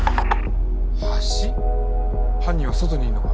犯人は外にいんのか？